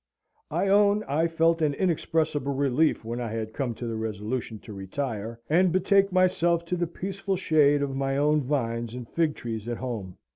I own I felt an inexpressible relief when I had come to the resolution to retire and betake myself to the peaceful shade of my own vines and fig trees at home.